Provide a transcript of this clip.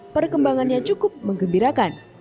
perkembangannya cukup mengembirakan